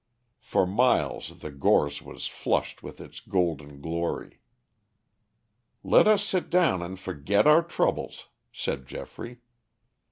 For miles the gorse was flushed with its golden glory. "Let us sit down and forget our troubles," said Geoffrey.